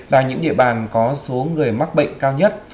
là những địa bàn có số người mắc bệnh cao nhất